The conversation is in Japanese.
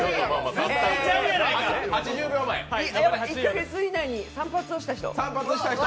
１か月以内に散髪をした人。